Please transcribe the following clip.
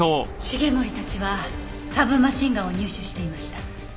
繁森たちはサブマシンガンを入手していました。